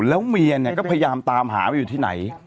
แล้วเมียเนี่ยก็พยายามตามหาว่าอยู่ที่ไหน